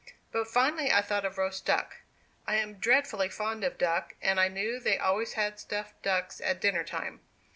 But finally I thought of roast duck. I am dreadfully fond of duck, and I knew they always had stuffed ducks at dinner time.